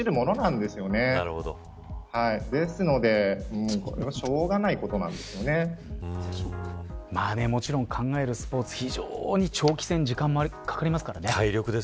ですので、これはもちろん考えるスポーツ非常に長期戦時間もかかりますからね。